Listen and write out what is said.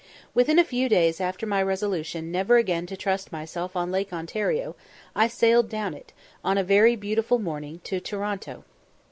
Within a few days after my resolution never again to trust myself on Lake Ontario, I sailed down it, on a very beautiful morning, to Toronto.